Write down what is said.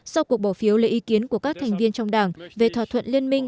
sau cuộc bỏ phiếu lấy ý kiến của các thành viên trong đảng về thỏa thuận liên minh